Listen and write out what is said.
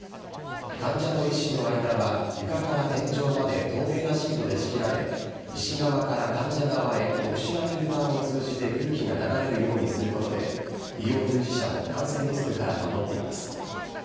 患者と医師の間は、床から天井まで透明なシートで仕切られ、医師側から患者側へ、特殊なフィルターを通じて空気が流れるようにすることで、医療従事者を感染リスクから守っています。